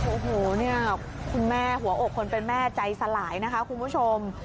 โอ้โหเนี่ยคุณแม่หัวอกคนเป็นแม่ใจสลายนะคะคุณผู้ชม